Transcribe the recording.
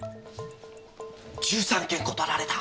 １３件断られた？